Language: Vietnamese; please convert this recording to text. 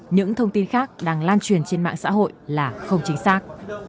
những thông tin khác đang lan truyền trên mạng xã hội là không chính xác